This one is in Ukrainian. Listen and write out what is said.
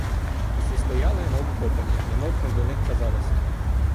Усі стояли, мов укопані, немов не до них казалося.